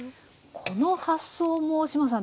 この発想も志麻さん